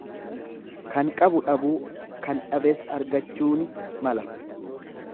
Kan qabu dhabuu kan dhabes argachuuni mala.